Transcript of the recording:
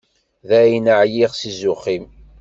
Dayen, εyiɣ si zzux-im.